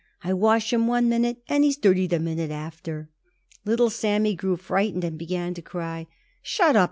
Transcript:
I wash him one minute, and he is dirty the minute after." Little Sammy grew frightened and began to cry. "Shut up!"